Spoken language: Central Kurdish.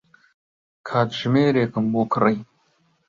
کاتژمێرێکم بۆ کڕی.